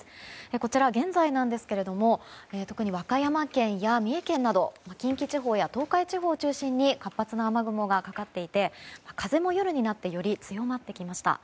こちら、現在なんですが特に和歌山県や三重県など近畿地方や東海地方を中心に活発な雨雲がかかっていて、風も夜になってより強まってきました。